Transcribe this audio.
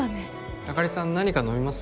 あかりさん何か飲みます？